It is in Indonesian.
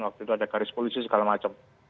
waktu itu ada garis polisi segala macam